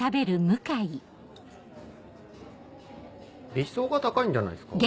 理想が高いんじゃないっすか？